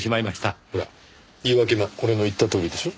ほら言い訳も俺の言ったとおりでしょ。